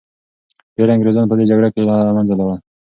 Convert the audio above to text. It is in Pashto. ډیر انګریزان په دې جګړو کي له منځه لاړل.